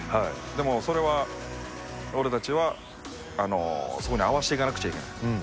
でもそれは、俺たちは、そこに合わせていかなくちゃいけない。